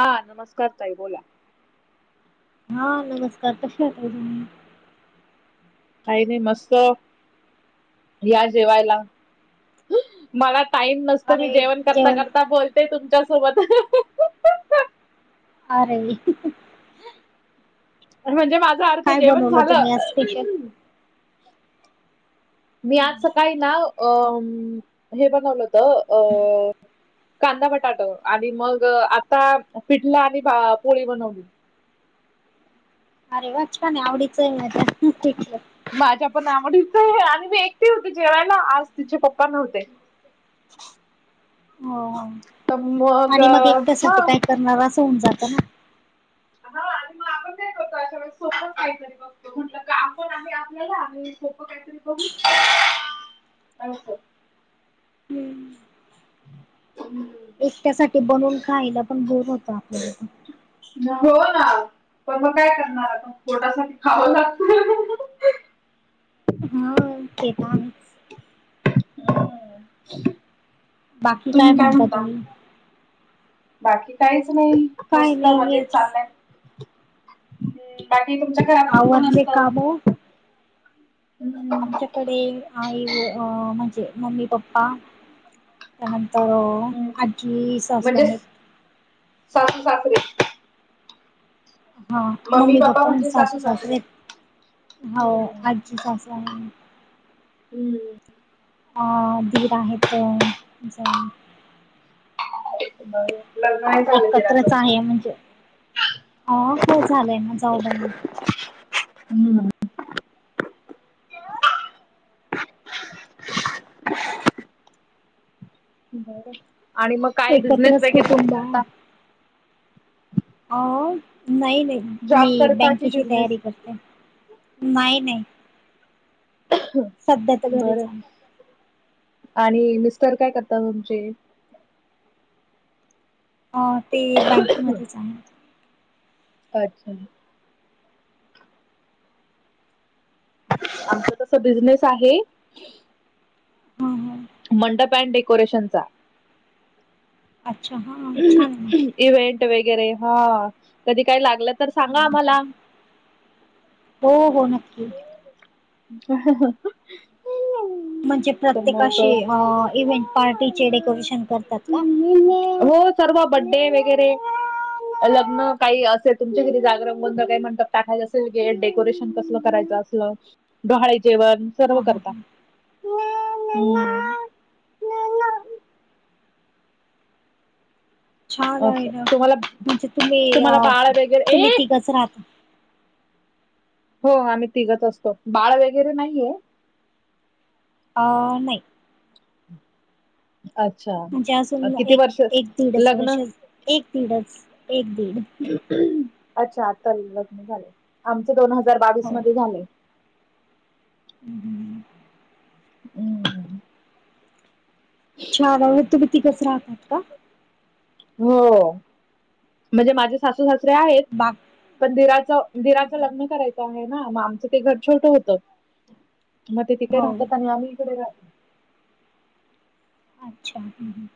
हा नमस्कार ताई बोला. हा नमस्कार, कसे आहात ताई तुम्ही? काही नाही मस्त. या जेवायला मला टाईम नस तुम्ही जेवण करता करता बोलते तुमच्या सोबत. आ रे. अरे म्हणजे माझा अर्थ काय जेवण बनवलं झालं. तुम्ही आज स्पेशल मी आज सकाळी ना अं म हे बनवलं होत अं कांदा, बटाट आणि मग आता पिठला आणि पोळी बनवली. अरे वा छान आहे आवडीच आहे माझ्या पिठलं. माझ्या पण आवडीचं आहे आणि मी एकटी होते जेवायला आज तिचे पप्पा नव्हते. [unintelligible] हो हो आणि मग एकट्यासाठी हा काय करणार असं होऊन जातं ना. हा आणि [unintelligible] [unintelligible] काहीतरी म्हटलं का आपण आम्ही आपल्याला सोपं काहीतरी बघू [inaudible] [unintelligible] हम्म हम् एकट्यासाठी बनवून खायला पण बोर होत आपल्याला पण. म हो ना पण मग काय करणार आता पोटासाठी खावं लागतं. हाय ते पण आहेचं. तुम्ही काय म्हणता. बाकी काहीच नाही काय मस्त नाही मजेत हेच चाललयं. हम बाकी तुमच्या घरात कोण कोण आवरले असत? काम आमच्याकडे आई व अं म्हणजे मम्मी, पप्पा त्यानंतर अं आज्जी सासू म्हणजे आहेत. सासू, सासरे. हा मम्मी, पप्पा सासू सासरेत हो आज्जी सासू आहेत. हम्म अ दीर आहेत जावू बर. एकत्रच आहे म्हणजे अ हो झालंय ना जाऊ बाई हम्म. बर आणि मग. काय बिझनेस एकत्रच वगैरे काय कुटुंब आहे. करता हो हो नाही, नाही. जॉब मी करता की बँकेची तयारी बिझनेस करते. नाही, नाही. [unintelligible] सध्या तर घरीच बरं हाय. आणि मिस्टर काय करतात तुमचे अ ते बँकमध्येध्येच आहे अच्छा आमचं तसं बिझनेस आहे. हम हां मंडप अँड डेकोरेशन चा अच्छा! हा छान. इव्हेंट वगैरे हा कधी काय लागलं तर सांगा ना आम्हाला हो हो नक्की ह म्हणजे प्रत्येकाशी इव्हेंट पार्टीचे डेकोरेशन करतात का हो सर्व बड्डे वगैरे लग्न काही असेल तुमच्या करी जागर बंध काही म्हणतात टाकायचंेल गे डेकोरेशन कसलं करायचं असेल डोहाळे जेवण हा सर्व हा करता हा छान आहे ना तुम्हाला म्हणजे तुम्ही अ तुम्हाला बाळ वगैरे तुम्ही एक तिघच राहता हो आम्ही तिघत असतो बाळ वगैरे नाहीये अ नाही अच्छा म्हणजे अजून किती एक वर्ष एक दीड लग्न असे एक दीडच एक दीड अच्छा! आता लग्न झालय आमचं दोन हजार बावीस हो मध्ये झालयं. हम् हम्म हम् [unintelligible] तुम्ही तिघचं राहतात का? हो म्हणजे माझे सासू सासरे आहेत बाग पण धराचं ीराचं लग्न करायचं आहे ना मग आमचं ते घर छोट होत मग ते तिकडे हो राहतात आणि आम्ही इकडे अच्छा हम् ह्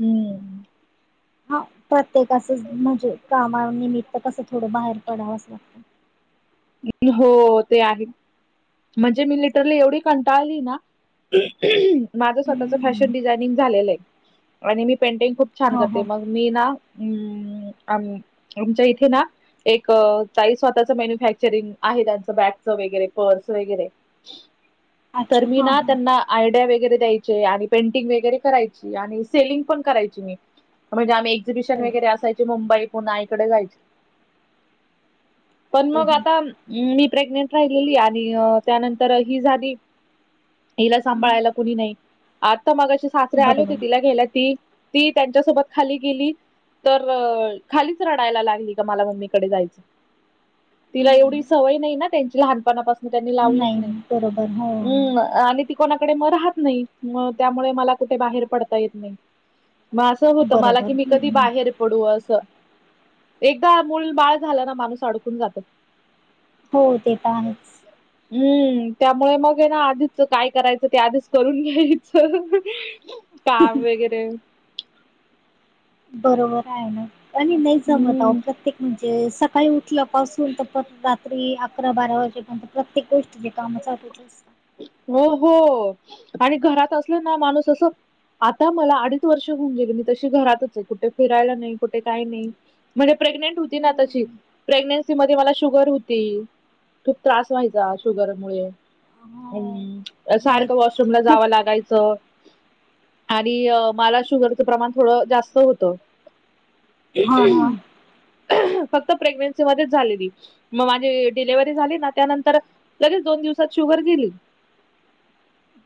हम्म हा प्रत्येकाचच म्हणजे कामानिमित्त कसं थोडं बाहेर पडावंचं लागतं हो ते आहे म्हणजे मी लिटरला एवढी कंटाळली ना माझ स्वतःच हम्म फॅशन डिझायनिंग झालेलं आहे आणि मी पेंटिंग खूप छान हो हो करते मग मी नाम आमच्या इथे ना एक काही स्वतःच मॅन्युफॅक्चरिंग आहे त्यांचं बॅगचं वगैरे पर्स वरे तर अच्छा मी हा ना हा त्यांना आयडिया वगैरे द्यायचे आणि पेंटिंग वगैरे करायची आणि सेलिंग पण करायची मी म्हणजे आम्ही एक्झिबिशन हो वगैरे असायची मुंबई पुन्हा इकडे जायची पण हो मग हो आता मी प्रेग्नेंट राहिलेली आणि त्यानंतर ही झाली हिला हं. सांभाळायला कुणी नाही आत्ता मग अे सासरे आले बरोबर होते तिला घ्यायला ती ती त्यांच्यासोबत खाली गेली तर खालीच रडायला लागली का मला मम्मीकडे जायचं तिला हं. एवढी सवय नाही ना त्यांची लहानपणापासून त्यांनी लावलीच नाही बरोबर हो हम् आणि त कोणाकडे म राहत नाही मग त्यामुळे मला कुठे बाहेर पडता येत नाही मग असं होतं मला बरोबर की मी कधी हं. बाहेर पडू असं एकदा मूल बाळ झालं ना माणूस अडकून जात हो ते प हम्म त्यामुळे मग ये ना आधीच काय करायचं ते आधीच करून घ्यायचं का वगैरे बरोबर आहे ना आणि नाही जमत हम्म प्रत्येक म्हणजे सकाळी उठलं पाऊस तर रात्री अकरा बारा वाजेपर्यंत प्रत्येक गोष्टी जे काम चाच असतं हो हो आणि घरात असल ना माणूस असं आता मला अडीच वर्ष घऊन गेली मी तशी घरातच आहे कुठे फिरायला नाही कुठे काही नाही म्हणजे प्रेग्नेंट होती ना तशी हम्म. प्रेग्नेन्सी मध्ये मला शुगर होती खूप त्रास व्हायचा शुगर मु हो अम् नाही सारख व रूम ला जावं लागायचं आणि मला शुगरचं प्रमाण थोडं जास्त होतं. हा हा फक्त प्रेग्नेन्सी मध्येच झालेली मग माझी डिलेव्हरी झाली ना त्यानंतर लगेच दोन दिवसात शुगर दिेली.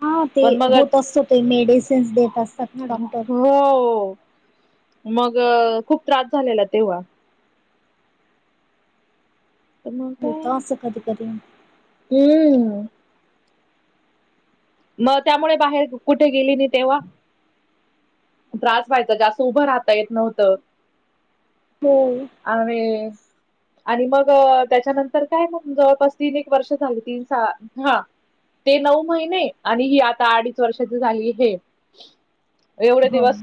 हा ते मग होत असतो ते मेडिसिन्स देत असतात ना डॉक्टर हो. मग खूप त्रास झालेला तेव्हा तर मग होत असं कधी कधी काय हम् मग त्यामुळे बाहेर कुठे गेली नाही तेव्हा त्रास व्हायचा जास्त उभं राहता येत नव्हतं. होम. आे आणि मग त्याच्यानंतर काय मग जवळपास तीन एक वर्ष झाली तीन हा ते नऊ महिने आणि ही आता अडीच वर्षाची झाली हे एवढे हो दिवस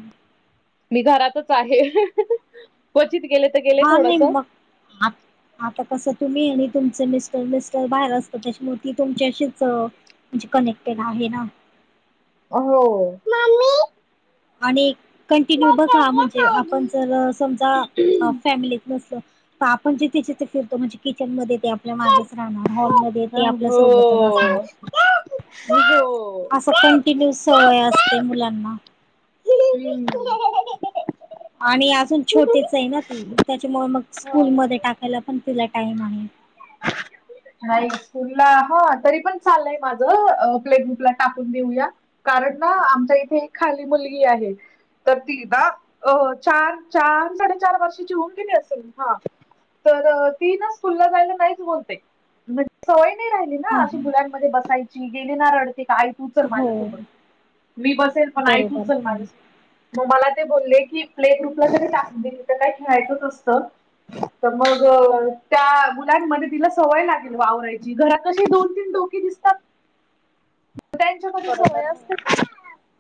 मी घरातच आहे क्वचित गेले तर गेले हा नाही थोडस मग आता कसं तुम्ही आणि तुमच मिस्टर मिस्टर बाहेर असत त्याच्यामुळेती तुमच्याशीच म्हणजे कनेक्टेड आहे ना, हो. आणि कंटिन्यू बघा बटाटे म्हणजे आपण खाली. जर समजा फॅमिलीत नसल. आपण जिथे जिथे फिरतो म्हणजे किचन मध्ये आपल्या मागे हो. हॉल म ते आपल्या सोबतच हो. असणार अस ंिन्यू सवय असते मुलांना हो. आणि अजून छोटेच आहे ना ती त्याच्यामुळे मग स्कूलमध्ये टाकायला पण तिला टाइम आहे. नाही स्कूल ला हा तरी पण चालय माझ प्ले ग्रुपला टाकून देऊया. कारण ना आमच्या इथे एक खाली मुलगी आहे. तर ती ना अ चार चार साडेचार वर्षाची होऊन गेली असेल हा तर ती ना स्कूलला जायला नाहीच बोलते म्हण सवय नाही राहिली ना हा अशी हा मुलां बसायची गेलेणार रडते काय. तू हो माझ्यासोबत मी बसेल पण ऐ तू बरोबर च हम्म माझ्यासोबत मग मला ते बोलले की प्ले ग्रुपला करी टाक दे म तर काय खेळायचंच असतं. तमग त्या मुुलांमध्ये तिला सवय लागेल वावरायची घरात कशी दोन तीन डोके दिसतात. त्या सवय बरोबर हो असते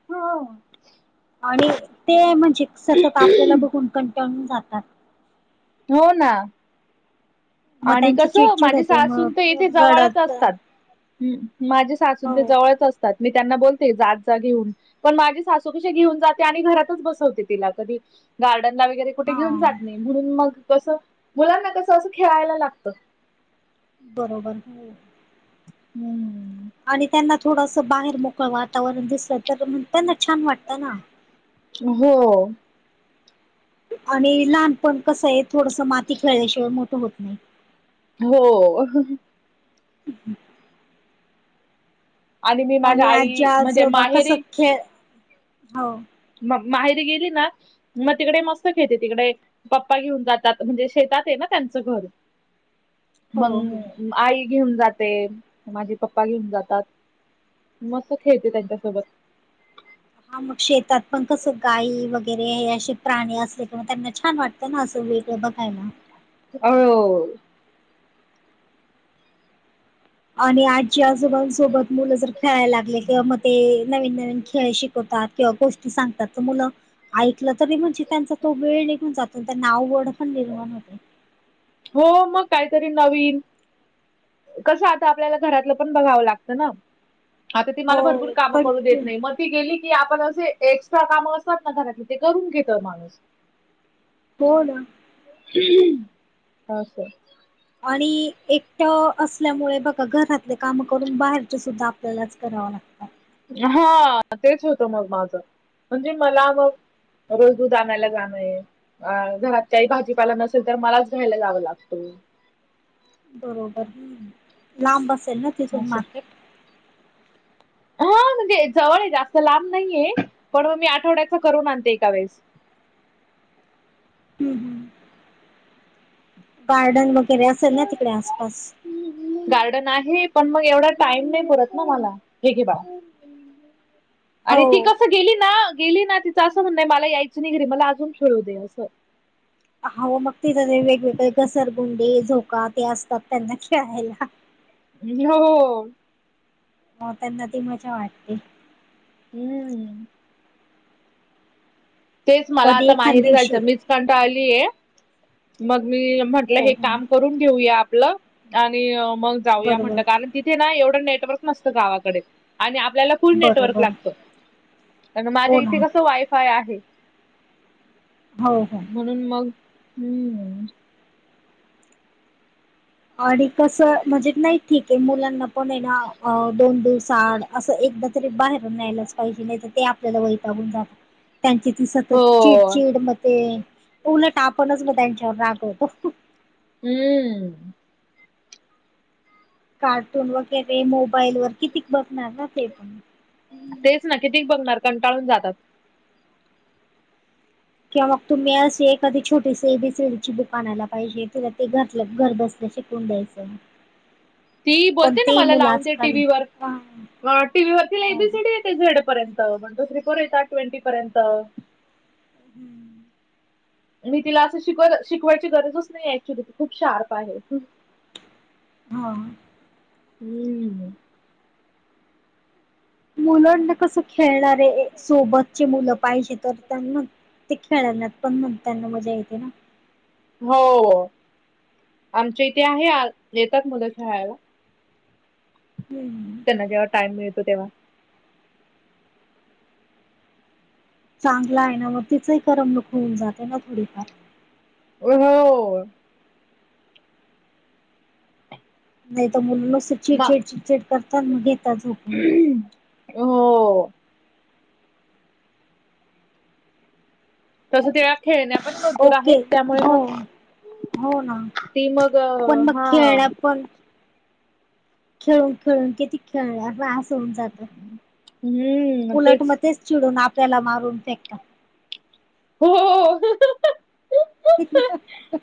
ह. आणि ते म्हणजे सतत आपल्याला बघून कंटाळून जातात. हो ना, मग आणि त्यांची कसं चिडचिड माझे होते सासून तर इथे मग जवळच रडत असतात. ह माझे सासून ते हो जवळच असतात मी त्यांना बोलते जात जा घेऊन पण माझी सासू कशी घेऊन जाते आणि घरातच बसवते तिला कधी गार्डनला वगैरे कुठे घेऊन हा जात नाही म्हणून मग कसं मुलांना कसं असं खेळायला लागतं. बरोबर. हम्म आणि त्यांना थोडस बाहेर मोकळ वातावरण दिसलं तरण त्यांना छान वाटतं ना, हो. आणि लहानपण कसं आहे थोडस माती खेळल्याशिवाय मोठं होत नाही. हो. हम्म. मी माझ्या आणि आजी आई म्हणजे आजोंबा कस माहेरी खेळ हो मग माहेरी गेली ना मग तिकडे मस्त घेते तिकडे पप्पा घेऊन जातात म्हणजे शेतात आहे ना त्यांचं घर [inaudible] हो. मग आई घेऊन जाते ते माझे पप्पा घेऊन जातात मस्त खेळते त्यांच्यासोबत हा मग शेतात पण कस गाई वगैरे हे असे प्राणी असले कि मग त्यांना छान वाट ना असं वेगं बघय ना हो आणि आजी आजोबांसोबत मुलं जर खेळायला लागले किंवा मग ते नवीन नवीन खेळ शिकवतात किंवा गोष्टी सांगतात मुलं ऐकलं तरी म्हणजे त्यांचा तो वेळ निघून जातो नावड पण निर्माण होते हो मग काहीतरी नवीन कसं आता आपल्याला घरातलं पण बघावं लागतं ना आता ती मला भरपूर हो कामं करू देत कंटिन्यू नाही मग, गेली की आपण असे एक्स्ट्रा काम असतात ना घरात ते करून घेत माणूस हो ना, हा सर आणि एकट्या असल्यामुळे बघा घरातले काम करून बाहेरच सुद्धा आपल्यालाच करावं लागतात हा तेच होतं मग माझं म्हणजे मला मग रोज दूध आणायला जाणंय अ घरात काही भाजीपाला नसेल तर मलाच घ्यायला जावं लागतो बरोबर ह लांब अससेेल ना तिथून असं. मार्केट हा म्हणजे जवळ आहे जास्त लांब नाहीये पण मग मी आठवड्याचा करून आणते एका वेळेस हम्म, हम्म. गार्डन वगैरे असेल ना तिकडे आसपास गार्डन आहे पण मग एवढा टाइम नाही पुरत ना मला हे की बा आणि ती हो. कसं गेली ना गेली ना तिचं असं म्हण मला यायचं नाही घरी मला अजून खेळू दे असं हव मग तिथ वेगवेगळे घसरगुंडे झोका ते असतात त्यांना खेळायला ् हो हो म त्यांना ती मजा वाटते हम्म तेच मला कधी आता एखाद माहिरी दिवशी जायचं मीच कंटाळलीय मग मी म्हटलं हो हे काम करून घेऊया आपलं आणि मग जाऊया बरोबर म्हटलं कारण ति ते ना एवढं नेटवर्क नसतं गावाकडे आणि आपल्याला फुल नेटवर्क बरोबर लागतो कार माझ्या हो ना इथे कसं वायफाय आहे हो हो म्हणून मग हम्म आणि कसं म्हणजे नाही ठीक आहे मुलांना पण आहे ना अ दोन दूव साड असं एकदा तरी बाहेरून न्यायलाच पाहिजे नाही तर ते आपल्याला वैतागून जात त्यांची ती सतत हो चिडचिड मग ते उलट आपणच मग त्यांच्यावर रागवतो हम्म कार्टून वगैरे मोबाईल वर कितीक बघणार ना ते पण तेच ना कितीक बघणार कंटाळून जातात किंवा मग तुम्ही अशी एादी छोटी से बी सडीची दुकानयला पाहिजे तुला ते घर घर बसल्या तुडस ती बोलते ना मला लावून दे टीव्हीवर हा टीव्ही वरती हो लाईबी स झेड पर्यंत म्हण तो तथ्रिपोर येतता ट्वेंटी पर्यंत हम्म मी तिला असं शिकव शिकवायची गरजच नाही ऍक्च्युली ती खूप शार्प आहे हा हम्म मुलांना कसं खेळणारे सोबतचे मुलं पाहिजे तर त्यांना ते खेळणार पण मग त्यांना मजा येते ना हो आमच्या इथे आहे येतात मुलं खेळाला ये त्यांना जव्हााइम मिळतो तेव्हा चांगला आहे ना म तिचही करम लुक होऊन जाते ना थोडीफार हो नाही तर मुलंत म चिडछेड चिडचिड करतात मग घेतात झोपून हो तस तेला खेळण्या पण मजबूर आहेत ओके त्यामुळे हो मग हो ना ती मग अ, पण मग हा खेळला पण खेळून खेळून किती खेळल्यास होन जात हम्म उलट तेच मच चिडून आपल्याला मारून फेकत हो ते किक